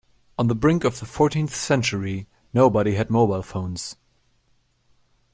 On the brink of the fourteenth century, nobody had mobile phones.